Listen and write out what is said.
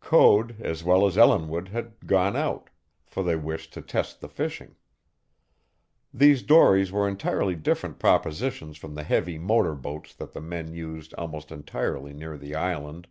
Code, as well as Ellinwood, had gone out, for they wished to test the fishing. These dories were entirely different propositions from the heavy motor boats that the men used almost entirely near the island.